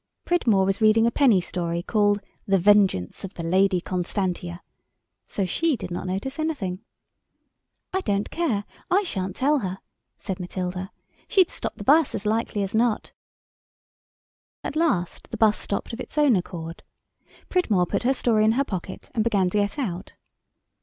Pridmore was reading a penny story called "The Vengeance of the Lady Constantia," so she did not notice anything. "I don't care. I shan't tell her," said Matilda, "she'd stop the 'bus as likely as not." At last the 'bus stopped of its own accord. Pridmore put her story in her pocket and began to get out.